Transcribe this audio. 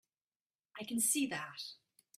I can see that.